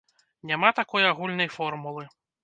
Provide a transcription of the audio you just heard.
Няма такой агульнай формулы.